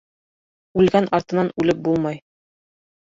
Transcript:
Үлгән артынан үлеп булмай.